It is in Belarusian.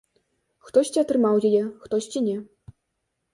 Хтосьці атрымаў яе, хтосьці не.